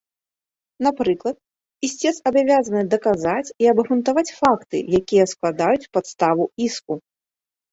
Напрыклад, ісцец абавязаны даказаць і абгрунтаваць факты, якія складаюць падставу іску.